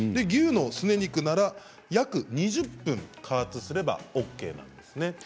牛のすね肉なら約２０分加圧すればＯＫなんですね。